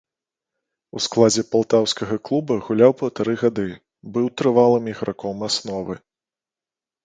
У складзе палтаўскага клуба гуляў паўтары гады, быў трывалым іграком асновы.